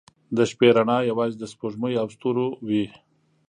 • د شپې رڼا یوازې د سپوږمۍ او ستورو وي.